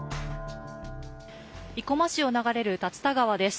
生駒市を流れる竜田川です。